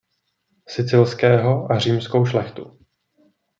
Sicilského a římskou šlechtu.